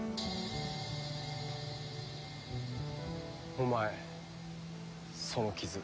お前その傷。